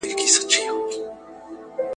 علمي پرمختګ له دقیقو څېړنو پرته ناشونی دی.